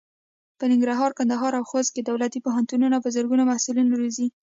په ننګرهار، کندهار او خوست کې دولتي پوهنتونونه په زرګونو محصلین روزي.